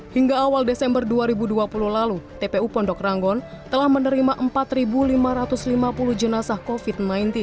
hingga awal desember dua ribu dua puluh lalu tpu pondok ranggon telah menerima empat lima ratus lima puluh jenazah covid sembilan belas